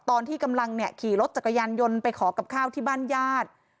ตอนที่กำลังขี่รถจักรยานยนต์ไปขอกับข้าวที่บ้านญาติ